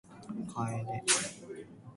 楓